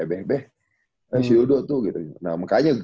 eh beh si udo tuh gitu nah makanya